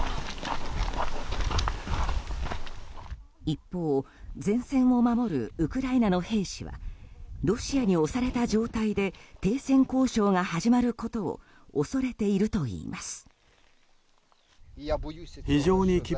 一方、前線を守るウクライナの兵士はロシアに押された状態で停戦交渉が始まることを恐れているといいます。